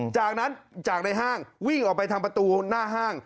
จากนั้นจากในห้างวิ่งออกไปทางประตูหน้าห้าง